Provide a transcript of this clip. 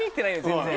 全然。